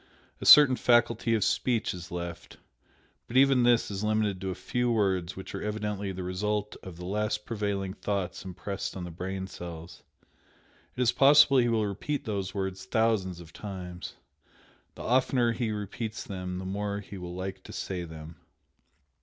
A certain faculty of speech is left, but even this is limited to a few words which are evidently the result of the last prevailing thoughts impressed on the brain cells. It is possible he will repeat those words thousands of times! the oftener he repeats them the more he will like to say them."